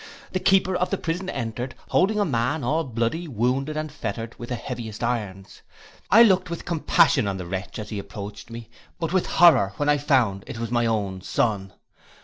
The keeper of the prison entered, holding a man all bloody, wounded and fettered with the heaviest irons. I looked with compassion on the wretch as he approached me, but with horror when I found it was my own son.